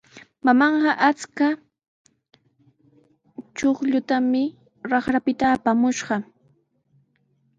Mamaaqa achka chuqllutami raqrapita apamushqa.